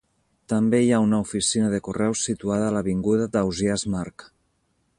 També hi ha una oficina de correus situada a l'avinguda d'Ausiàs March.